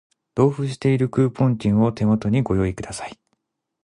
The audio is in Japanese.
同封しているクーポン券を手元にご用意ください